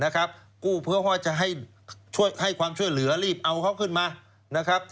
กู้ภัยจะให้ความช่วยเหลือรีบเอาเขาขึ้นมา